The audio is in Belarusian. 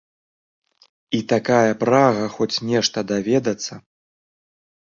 І такая прага хоць нешта даведацца.